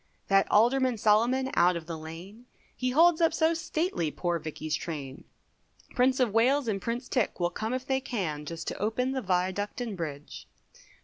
That Alderman Salomon out of the lane, He holds up so stately poor Vickey's train, Prince of Wales and Prince Tick will come if they can, Just to open the Viaduct and Bridge.